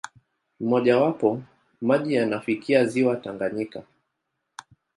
Mmojawapo, maji yanafikia ziwa Tanganyika.